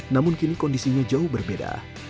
namun kini kondisinya jauh berbeda